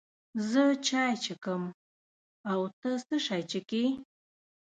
زه چای چکم، او ته څه شی چیکې؟